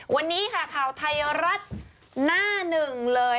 วันนี้ค่ะข่าวไทยรัฐหน้าหนึ่งเลย